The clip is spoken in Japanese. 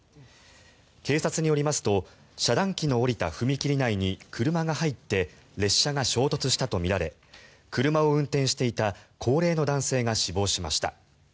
警察によりますと遮断機の下りた踏切内に車が入って列車が衝突したとみられ車を運転していた高齢の男性が死亡しました。